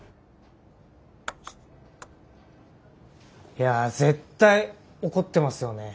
いや絶対怒ってますよね